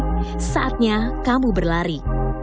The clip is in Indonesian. nah saatnya kamu berlari